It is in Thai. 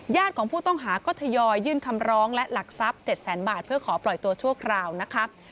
ของผู้ต้องหาก็ทยอยยื่นคำร้องและหลักทรัพย์๗แสนบาทเพื่อขอปล่อยตัวชั่วคราวนะครับ